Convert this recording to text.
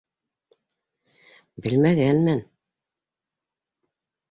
Белмәгәнмен...